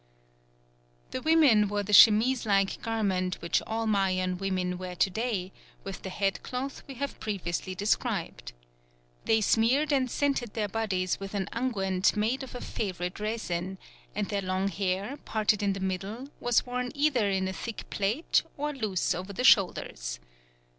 The women wore the chemise like garment which all Mayan women wear to day, with the headcloth we have previously described. They smeared and scented their bodies with an unguent made of a favourite resin, and their long hair, parted in the middle, was worn either in a thick plait or loose over the shoulders.